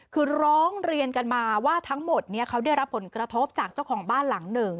คือร้องเรียนกันมาว่าทั้งหมดนี้เขาได้รับผลกระทบจากเจ้าของบ้านหลังหนึ่ง